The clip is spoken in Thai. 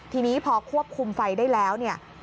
ทีนี้พอควบคุมไฟได้แล้วเนี่ย